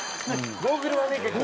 ゴーグルはね結構。